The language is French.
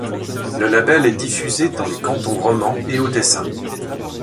Le label est diffusé dans les cantons romands et au Tessin.